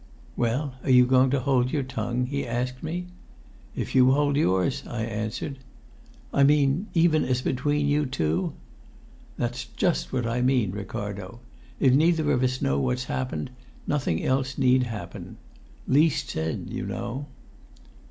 "Well, are you going to hold your tongue?" he asked me. "If you hold yours," I answered. "I mean even as between you two!" "That's just what I mean, Ricardo. If neither of us know what's happened, nothing else need happen. 'Least said,' you know."